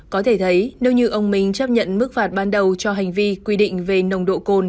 có thể thấy nếu như ông minh chấp nhận mức phạt ban đầu cho hành vi quy định về nồng độ cồn